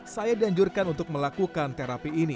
saya dianjurkan untuk melakukan terapi ini